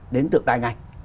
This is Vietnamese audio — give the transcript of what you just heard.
đến tượng đài ngành